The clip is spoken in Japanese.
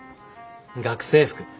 学生服。